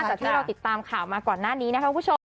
จากที่เราติดตามข่าวมาก่อนหน้านี้นะคะคุณผู้ชม